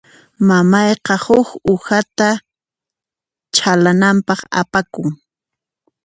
Mamayqa huk uhata chhalananpaq apakun.